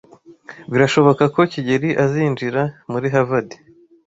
Birashoboka ko kigeli azinjira muri Harvard.